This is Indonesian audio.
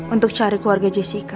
untuk cari keluarga jessica